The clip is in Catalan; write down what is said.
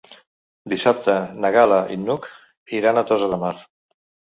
Dissabte na Gal·la i n'Hug iran a Tossa de Mar.